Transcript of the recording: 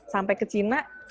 sampai ke cina